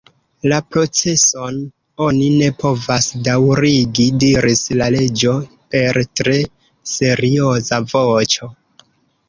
"La proceson oni ne povas daŭrigi," diris la Reĝo per tre serioza voĉo.